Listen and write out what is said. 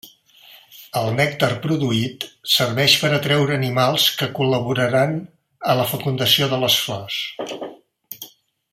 El nèctar produït serveix per atreure animals que col·laboraran a la fecundació de les flors.